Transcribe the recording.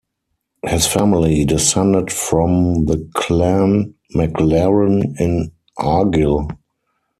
His family descended from the Clan MacLaren in Argyll.